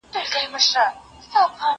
دا کالي له هغو پاک دي!!